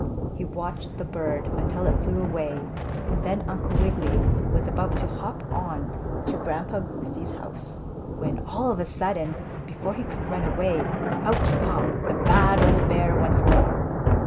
He watched the bird until it flew away, and then Uncle Wiggily was about to hop on to Grandpa Goosey's house when, all of a sudden, before he could run away, out popped the bad old bear once more.